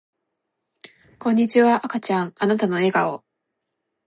こんにちは赤ちゃんあなたの笑顔